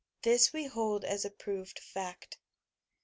This we hold as a proved fact."